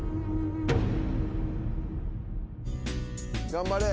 頑張れ。